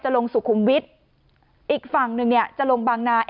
ลงสุขุมวิทย์อีกฝั่งหนึ่งเนี่ยจะลงบางนา